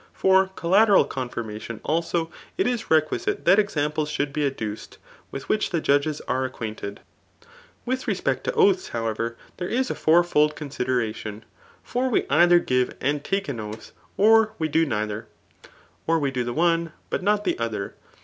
For collateral confirmadon, also, it is requisite that examples should be adduced, with which the judges are ac quainted. M THB A&T OF BOOK U With respect to oaths, however, there is a feufliM consideration. For we either give and t^e an oath ; or we do neither. Or we do the one, but not the other.